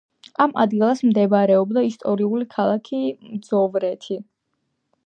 ამ ადგილას მდებარეობდა ისტორიული ქალაქი მძოვრეთი.